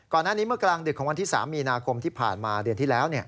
ก่อนหน้านี้เมื่อกลางดึกของวันที่๓มีนาคมที่ผ่านมาเดือนที่แล้ว